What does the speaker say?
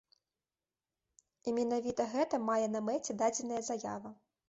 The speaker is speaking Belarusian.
І менавіта гэта мае на мэце дадзеная заява.